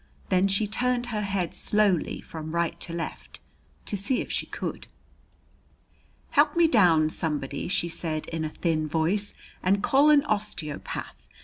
Then she turned her head slowly from right to left to see if she could. "Help me down, somebody," she said in a thin voice, "and call an osteopath.